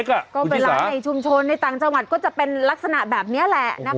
คุณฏี่ศาสตร์เป็นร้านในชุมชนในต่างจังหวัดก็จะเป็นลักษณะแบบนี้แหละนะคะ